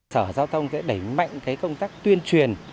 sở giao thông sẽ đẩy mạnh công tác tuyên truyền